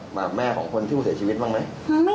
แม่ของคนที่ผู้เสียชีวิตบ้างไหม